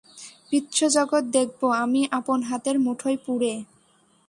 বিশ্বজগৎ দেখবো আমি আপন হাতের মুঠোয় পুরে।